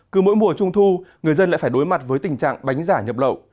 cứ mỗi mùa trung thu người dân lại phải đối mặt với tình trạng bánh giả nhập lậu